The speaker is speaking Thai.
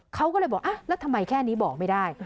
เขาก็เลยบอกแล้วทำไมแค่นี้บอกไม่ได้